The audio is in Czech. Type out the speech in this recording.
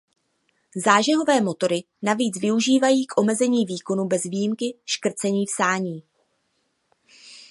Zážehové motory navíc využívají k omezení výkonu bez výjimky škrcení v sání.